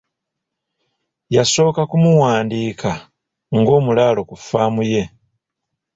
Yasooka kumuwandiika ng'omulaalo ku faamu ye.